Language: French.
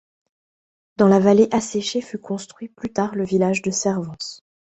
Dans la vallée asséchée fut construit plus tard le village de Servance.